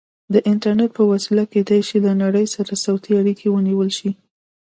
د انټرنیټ په وسیله کیدای شي له نړۍ سره صوتي اړیکې ونیول شي.